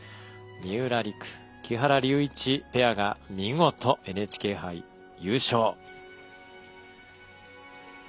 三浦璃来、木原龍一ペアが見事、ＮＨＫ杯優勝。